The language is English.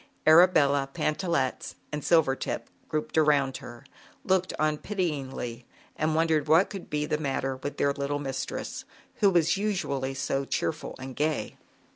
Arabella, Pantallettes and Sil vertip grouped around her, looked on pityingly and wondered what could be the matter with their little mistress, who was usually so cheerful and gay.